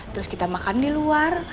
terus kita makan di luar